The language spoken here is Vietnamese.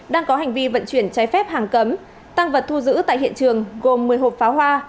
đang có hành vi vận chuyển trái phép hàng cấm tăng vật thu giữ tại hiện trường gồm một mươi hộp pháo hoa